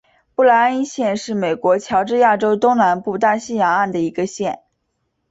布赖恩县是美国乔治亚州东南部大西洋岸的一个县。